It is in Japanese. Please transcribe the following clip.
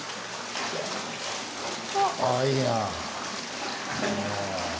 あぁいいな。